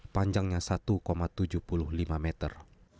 panjangnya satu tujuh puluh lima meter